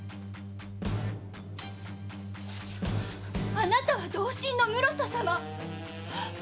あなたは同心の室戸様！